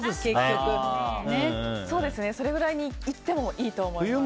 それくらいに行ってもいいと思います。